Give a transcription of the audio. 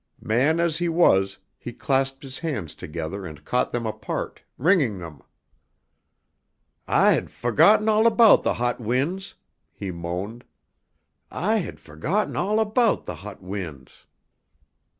Man as he was he clasped his hands together and caught them apart, wringing them. "I had forgotten all about the hot winds!" he moaned. "I had forgotten all about the hot winds!"